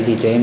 thì tụi em